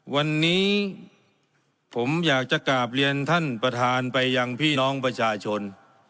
วันนี้ผมอยากจะกราบเรียนท่านประธานไปยังพี่น้องประชาชน